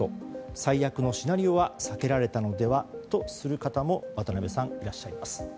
最悪のシナリオは避けられたのではとする方も渡辺さん、いらっしゃいます。